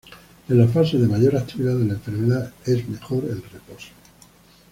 En las fases de mayor actividad de la enfermedad es mejor el reposo.